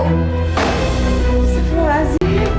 aku bisa kelas